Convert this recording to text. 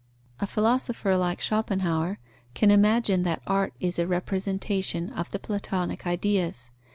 A philosopher like Schopenhauer can imagine that art is a representation of the Platonic ideas.